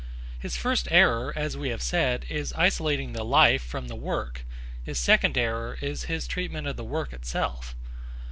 His first error, as we have said, is isolating the life from the work; his second error is his treatment of the work itself.